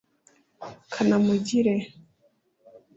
Kanamugire